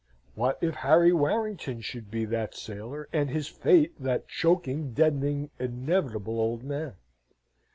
What if Harry Warrington should be that sailor, and his fate that choking, deadening, inevitable old man?